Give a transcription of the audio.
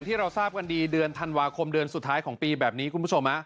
ที่เราทราบกันดีเดือนธันวาคมเดือนสุดท้ายของปีแบบนี้คุณผู้ชม